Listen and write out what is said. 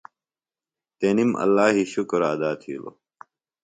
تنیم اللہِ شُکُر ادا تھیلوۡ۔